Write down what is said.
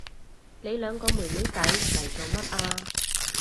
你兩個妹妹仔嚟做乜啊？